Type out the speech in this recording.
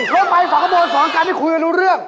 เฮ้ยรถไปฝ่ากระโมงก์ฝ่อการไม่คุยกันรู้เรื่อง